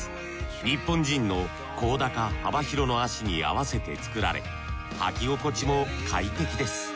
日本人の甲高幅広の足に合わせて作られ履き心地も快適です。